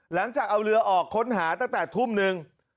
หลังจากเอาเรือออกค้นหาตั้งแต่ทุ่มนึง